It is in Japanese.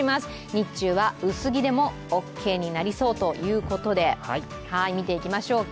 日中は薄着でもオーケーになりそうということで見ていきましょうか。